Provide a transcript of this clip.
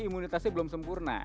imunitasnya belum sempurna